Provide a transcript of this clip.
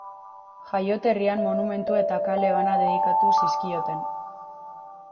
Jaioterrian monumentu eta kale bana dedikatu zizkioten.